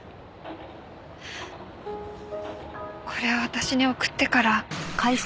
これを私に送ってから彼は。